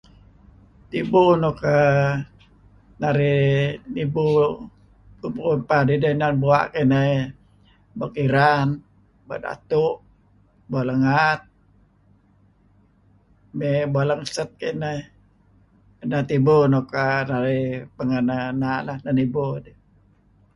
Tibu nuk err narih nibu paad-paad ideh inan bua' kayu' ineh bua' kiran, bua' datu', bua' lengaat mey bua' langsat kayu' ineh. Neh tibu nuk err pengeh narih neh nibu dih.